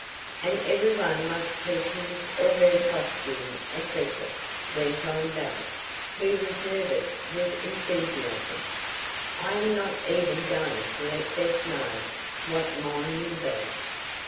"And every one must keep his or her costume a secret," went on Belle, who was nervous with enthusiasm. "I am not even going to let Bess know whit mine will be."